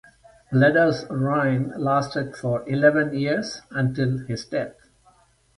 Bleda's reign lasted for eleven years until his death.